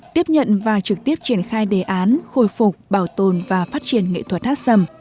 tiếp nhận và trực tiếp triển khai đề án khôi phục bảo tồn và phát triển nghệ thuật hát sầm